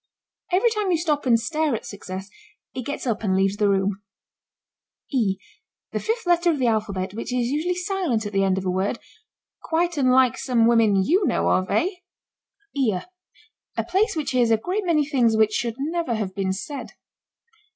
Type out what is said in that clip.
Every time you stop and stare at Success it gets up and leaves the room. ### E: The fifth letter of the alphabet which is usually silent at the end of a word quite unlike some women you know of, eh! ###EAR. A place which hears a great many things which should never have been said.